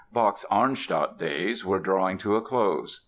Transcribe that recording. Bach's Arnstadt days were drawing to a close.